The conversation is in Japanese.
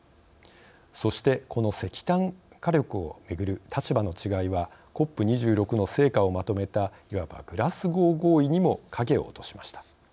そしてこの石炭火力をめぐる立場の違いはＣＯＰ２６の成果をまとめたいわば、グラスゴー合意にも影を落としました。